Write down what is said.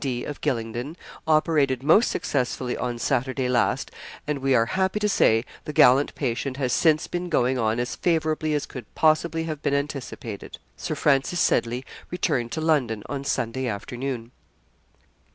D. of Gylingden, operated most successfully on Saturday last, and we are happy to say the gallant patient has since been going on as favourably as could possibly have been anticipated. Sir Francis Seddley returned to London on Sunday afternoon.'